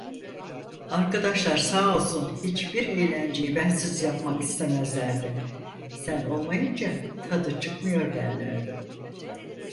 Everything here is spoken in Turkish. Arkadaşlar sağ olsun, hiçbir eğlenceyi bensiz yapmak istemezlerdi, sen olmayınca tadı çıkmıyor derlerdi.